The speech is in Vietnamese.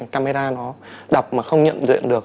camera nó đập mà không nhận diện được